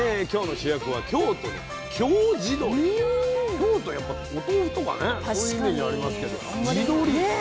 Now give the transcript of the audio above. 京都はやっぱお豆腐とかねそういうイメージありますけど地鶏。